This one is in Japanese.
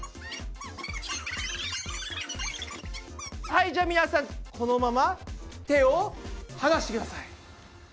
はいじゃ皆さんこのまま手をはなしてください。